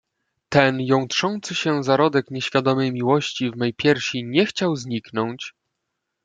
"Ten jątrzący się zarodek nieświadomej miłości w mej piersi nie chciał zniknąć."